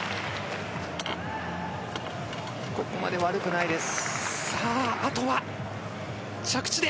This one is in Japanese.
ここまで悪くないです。